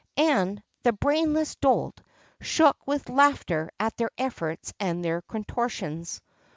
And the brainless dolt shook with laughter at their efforts and their contortions.